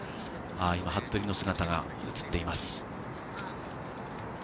服部の姿が映っています。